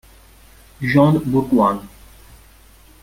Jean Bourgoin